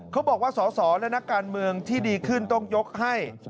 เขาบอกว่าสอสอและนักการเมืองที่ดีขึ้นต้องยกให้